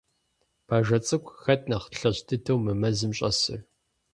Бажэ цӀыкӀу, хэт нэхъ лъэщ дыдэу мы мэзым щӀэсыр?